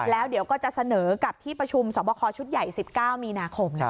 แล้วเดี๋ยวก็จะเสนอกับที่ประชุมส่อบบคชุดนาครม